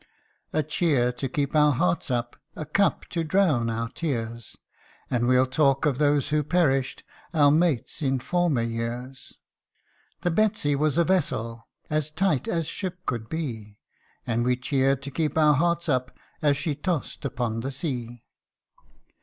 A CHEER to keep our hearts up, A cup to drown our tears, And we'll talk of those who perished, Our mates in former years. The Betsey was a vessel As tight as ship could be And we cheered to keep our hearts up, As she tossed upon the sea.